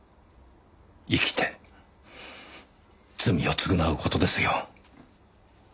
生きて罪を償う事ですよ。